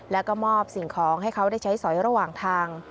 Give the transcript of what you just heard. แล้วก็มอบสิ่งของให้เขาได้ใช้สอยระหว่างทาง